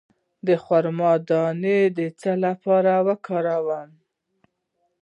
د خرما دانه د څه لپاره وکاروم؟